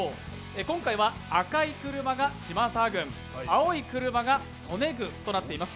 今回は赤い車が嶋崎軍、青い車が曽根軍となっています。